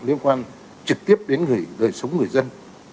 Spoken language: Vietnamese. liên quan trực tiếp đến đời sống người dân